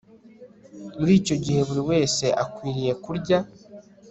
Muri icyo gihe buri wese akwiriye kurya